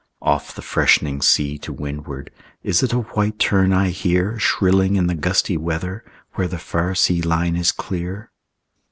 Off the freshening sea to windward, Is it a white tern I hear Shrilling in the gusty weather Where the far sea line is clear?